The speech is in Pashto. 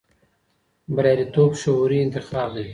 بریالیتوب شعوري انتخاب دی.